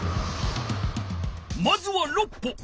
まずは６歩。